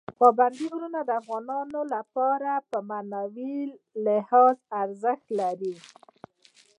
پابندي غرونه د افغانانو لپاره په معنوي لحاظ ارزښت لري.